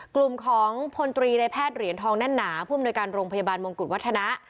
กลุ่มของพลตรีในแพทย์เหรียญทองแน่นหนาผู้อำนวยการโรงพยาบาลมงกุฎวัฒนะ